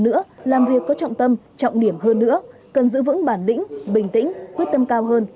nữa làm việc có trọng tâm trọng điểm hơn nữa cần giữ vững bản lĩnh bình tĩnh quyết tâm cao hơn